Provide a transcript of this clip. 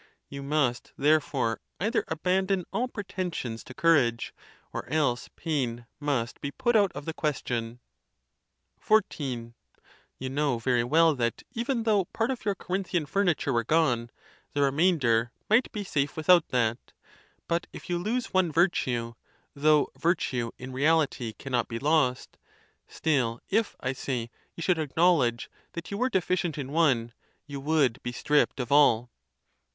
You must therefore either abandon all pretensions to cour age, or else pain must be put out of the question. XIV. You know very well that, even though part of your Corinthian furniture were gone, the remainder might be safe without that; but if you lose one virtue (though virtue in reality cannot be lost), still if, I say, you should acknowledge that you were deficient in one, you would be stripped of all.